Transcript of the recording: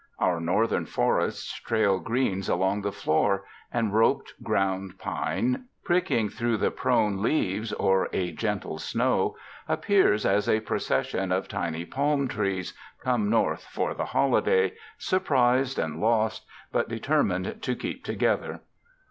Our Northern forests trail greens along the floor, and roped ground pine, pricking through the prone leaves or a gentle snow, appears as a procession of tiny palm trees, come North for the holiday, surprised and lost, but determined to keep together.